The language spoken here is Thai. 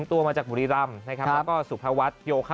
อันนี้